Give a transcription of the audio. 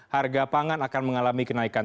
harga pangan akan mengalami kenaikan